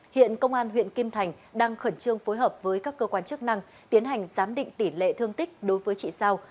hiện công an huyện kim thành đang khẩn trương phối hợp với các cơ quan chức năng tiến hành giám định tỷ lệ thương tích đối với chị sao